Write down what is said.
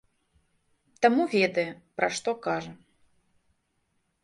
Таму ведае, пра што кажа.